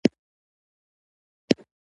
خېمه ولاړه وه دروېش خپلې خېمې ورته ودرولې.